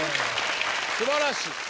すばらしい。